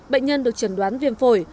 bệnh nhân được trần đoán viêm phổi